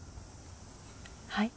はい？